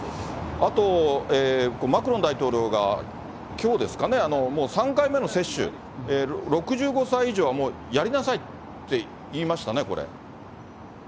あとマクロン大統領がきょうですかね、もう３回目の接種、６５歳以上はもうやりなさいって言いましたね、これ。